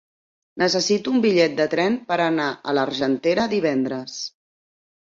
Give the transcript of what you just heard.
Necessito un bitllet de tren per anar a l'Argentera divendres.